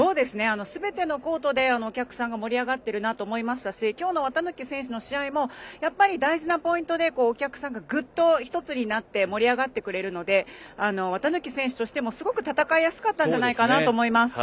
すべてのコートでお客さんが盛り上がっているなと思いましたし今日の綿貫選手の試合も大事なポイントでお客さんが、ぐっと一つになって盛り上がってくれるので綿貫選手としても、すごく戦いやすかったんじゃないかと思います。